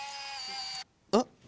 あっ！